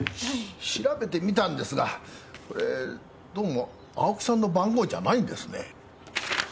調べてみたんですがこれどうも青木さんの番号じゃないんですね。